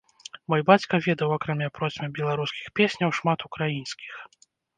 Мой бацька ведаў акрамя процьмы беларускіх песняў шмат украінскіх.